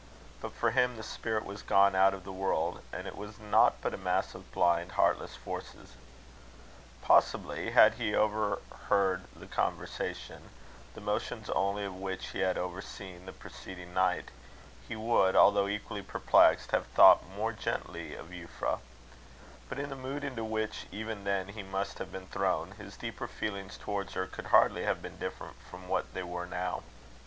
But for him the spirit was gone out of the world, and it was nought but a mass of blind, heartless forces. Possibly, had he overheard the conversation, the motions only of which he had overseen the preceding night, he would, although equally perplexed, have thought more gently of Euphra; but, in the mood into which even then he must have been thrown, his deeper feelings towards her could hardly have been different from what they were now.